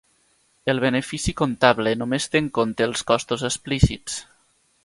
El benefici comptable només té en compte els costos explícits.